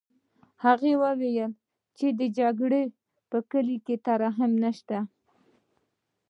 هغه وویل چې د جګړې په کلي کې ترحم نشته